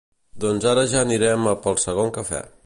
Doncs ara ja anirem a pel segon cafè.